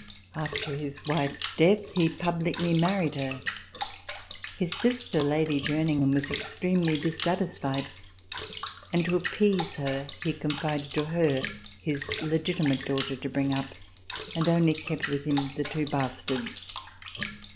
After his wife's death he publicly married her. His sister, Lady Jerningham, was extremely dis satisfied, and to appease her, he confided to her his legitimate son to bring up, and only kept with him the two bastards.